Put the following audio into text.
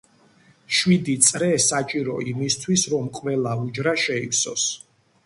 შვიდი წრე საჭირო იმისთვის, რომ ყველა უჯრა შეივსოს.